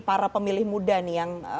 para pemilih muda yang